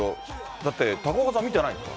だって高岡さん見てないんですか。